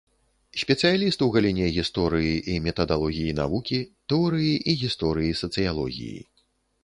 Спецыяліст у галіне гісторыі і метадалогіі навукі, тэорыі і гісторыі сацыялогіі.